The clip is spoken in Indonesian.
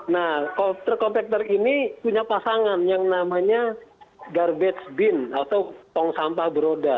nah truk kompakter ini punya pasangan yang namanya garbage bin atau tong sampah beroda